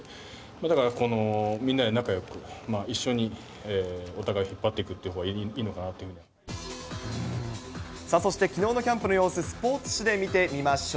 だからみんなで仲よく一緒にお互い引っ張っていければいいのかなそしてきのうのキャンプの様子、スポーツ紙で見てみましょう。